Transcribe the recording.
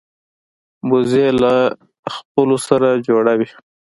وزې له خپلو سره جوړه وي